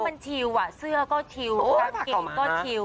ก็มันชิลว่ะเสื้อก็ชิลกางเก๋กก็ชิล